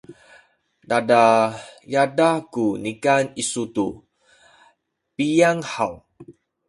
tada yadah ku nikan isu tu piyang haw?